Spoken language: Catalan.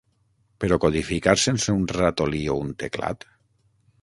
Però codificar sense un ratolí o un teclat?